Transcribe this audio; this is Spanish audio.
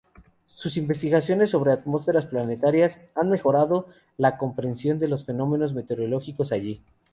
Sus investigaciones sobre atmósferas planetarias han mejorado la comprensión de los fenómenos meteorológicos allí.